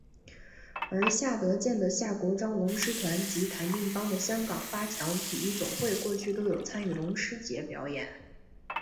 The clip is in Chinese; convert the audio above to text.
而夏德健的夏国璋龙狮团及谭定邦的香港发强体育总会过去都有参与龙狮节表演。